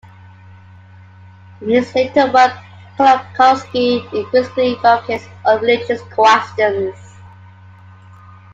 In his later work, Kolakowski increasingly focused on religious questions.